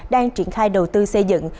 đang triển khai đầu tư xây dựng